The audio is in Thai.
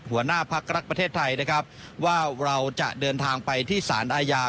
หัวหน้าพักรักประเทศไทยนะครับว่าเราจะเดินทางไปที่สารอาญา